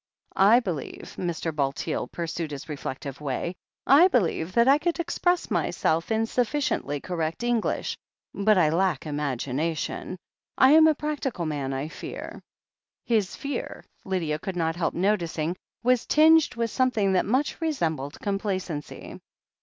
I believe," Mr. Bulteel pursued his reflective way, I believe that I could express myself in sufficiently correct English. But I lack imagination. I am a prac tical man, I fear." His fear, Lydia could not help noticing, was tinged with something that much resembled complacency.